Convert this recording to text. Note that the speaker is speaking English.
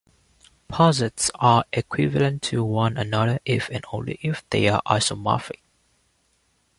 Posets are equivalent to one another if and only if they are isomorphic.